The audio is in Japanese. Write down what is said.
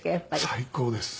最高です。